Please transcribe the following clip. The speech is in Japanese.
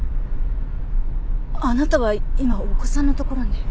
あなたは今お子さんのところに？